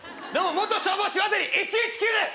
元消防士ワタリ１１９です！